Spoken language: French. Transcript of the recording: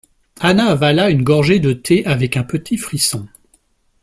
Anna avala une gorgée de thé avec un petit frisson.